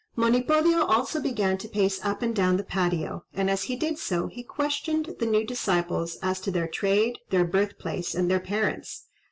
Monipodio also began to pace up and down the patio, and, as he did so, he questioned the new disciples as to their trade, their birthplace, and their parents.